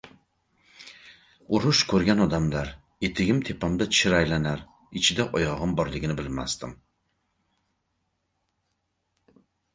Urush ko‘rgan odamlar: «Etigim tepamda chir aylanar, ichida oyog‘im borligini bilmasdim...»